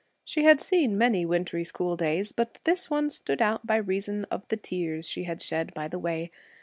She had seen many wintry school days, but this one stood out by reason of the tears she had shed by the way.